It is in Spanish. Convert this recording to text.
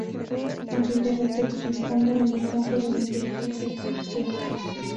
Se considera el texto estándar en el campo de la inteligencia artificial.